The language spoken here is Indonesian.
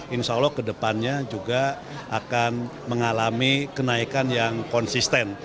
insya allah kedepannya juga akan mengalami kenaikan yang konsisten